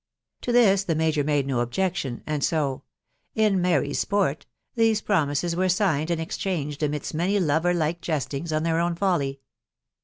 To this the major ma4e no objection; and so, cc in merry sport," these promises were signed and exchanged amidst many lover like jestings on their own folly.